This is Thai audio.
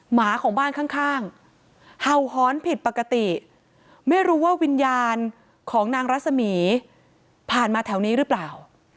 หมาของบ้านข้างเห่าหอนผิดปกติไม่รู้ว่าวิญญาณของนางรัศมีร์ผ่านมาแถวนี้หรือเปล่า